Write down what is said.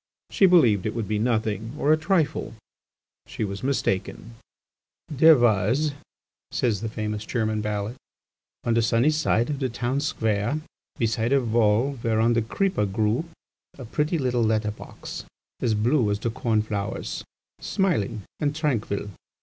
She believed it would be nothing or a trifle; she was mistaken. "There was," says the famous German ballad, "on the sunny side of the town square, beside a wall whereon the creeper grew, a pretty little letter box, as blue as the corn flowers, smiling and tranquil.